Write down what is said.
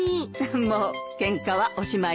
もうケンカはおしまいですよ。